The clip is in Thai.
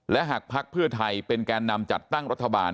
และหากภักดิ์เพื่อไทยเป็นแกนนำจัดตั้งรัฐบาล